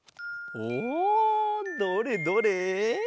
おおどれどれ？